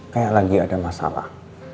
kayak lagi ada masalah